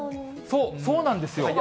そう、そうなんですよ。